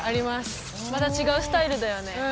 また違うスタイルだよね